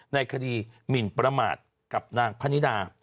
ในคดีหมินประมาทกับนางพนิดา